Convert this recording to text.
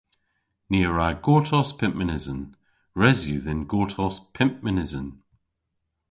Ni a wra gortos pymp mynysen. Res yw dhyn gortos pymp mynysen.